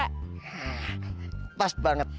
hah pas banget